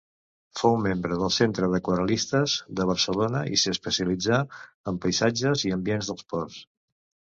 Fou membre del Centre d'Aquarel·listes de Barcelona i s'especialitzà en paisatges i ambients dels ports.